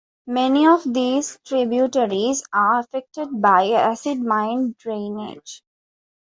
Many of these tributaries are affected by acid mine drainage.